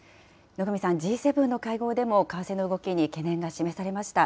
野上さん、Ｇ７の会合でも、為替の動きに懸念が示されました。